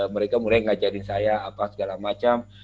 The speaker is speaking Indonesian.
mereka mulai ngajarin saya apa segala macam